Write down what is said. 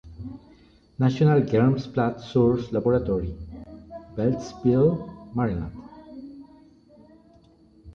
National Germplasm Resources Laboratory, Beltsville, Maryland.